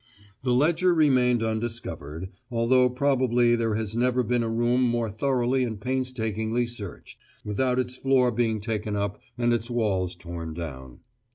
The ledger remained undiscovered, although probably there has never been a room more thoroughly and painstakingly searched, without its floor being taken up and its walls torn down.